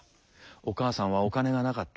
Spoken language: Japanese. お母さんはお金がなかった。